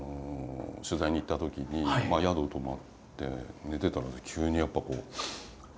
取材に行ったときに宿泊まって寝てたら急にやっぱこう重くなってきて。